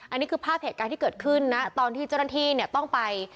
อันนี้คือภาพเหตุการณ์ที่เกิดขึ้นนะตอนที่เจ้าหน้าที่เนี่ยต้องไป